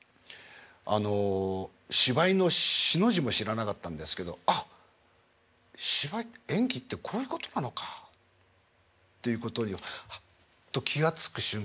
あの芝居の「し」の字も知らなかったんですけど「あっ！芝居演技ってこういうことなのか」っていうことにハッと気が付く瞬間がありまして。